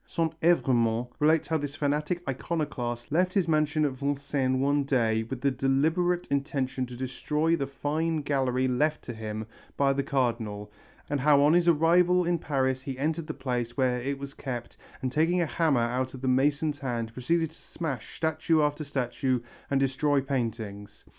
Saint Evremont relates how this fanatic iconoclast left his mansion at Vincennes one day with the deliberate intention to destroy the fine gallery left to him by the Cardinal, and how on his arrival in Paris he entered the place where it was kept and taking a hammer out of a mason's hand proceeded to smash statue after statue and destroy paintings.